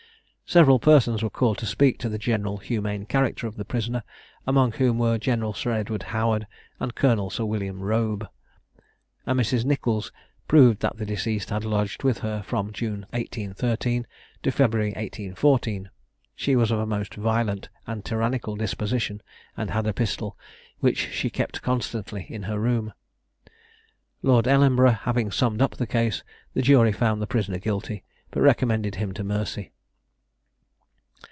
Several persons were called to speak to the general humane character of the prisoner, among whom were General Sir Edward Howard and Colonel Sir William Robe. A Mrs. Nicholls proved that the deceased had lodged with her from June 1813, to February 1814. She was of a most violent and tyrannical disposition, and had a pistol, which she kept constantly in her room. Lord Ellenborough having summed up the case, the jury found the prisoner guilty, but recommended him to mercy.